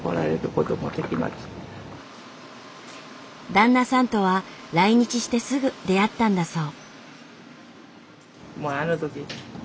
旦那さんとは来日してすぐ出会ったんだそう。